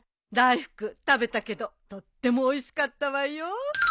大福食べたけどとってもおいしかったわよ。